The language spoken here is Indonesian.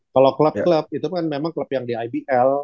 kalau klub klub itu kan memang klub yang di ibl